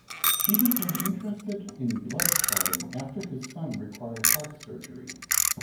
He became interested in blood clotting after his son required heart surgery.